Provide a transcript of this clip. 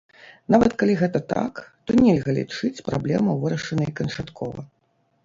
Нават калі гэта так, то нельга лічыць праблему вырашанай канчаткова.